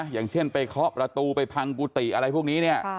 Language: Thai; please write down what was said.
อย่างเช่นไปเคาะประตูไปพังกุฏิอะไรพวกนี้เนี่ย